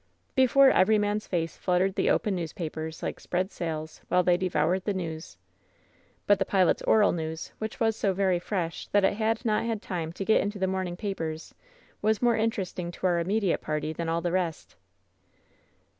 '' Before every man's face fluttered the open newspa pers like spread sails, while they devoured the news! WHEN SHADOWS DHS 61 But the pilot's oral news, which was so very fresh that it had not had time to get into the morning papers^ waa more interesting to our immediate party than all the rest.